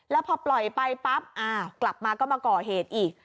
แล้วพอปล่อยไปปั๊บอ้าวกลับมาก็มาก่อเหตุอีก